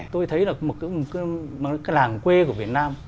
tôi thấy được một cái làng quê của việt nam